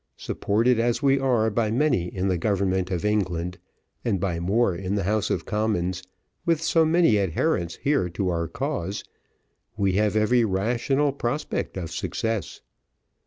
Supported as we are by many in the government of England, and by more in the House of Commons, with so many adherents here to our cause, we have every rational prospect of success.